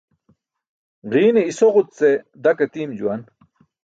Ġiine isoġut ce dak atiim juwan.